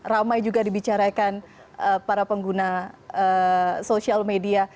ramai juga dibicarakan para pengguna sosial media